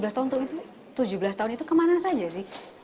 selama tujuh belas tahun tuh tujuh belas tahun itu kemana saja sih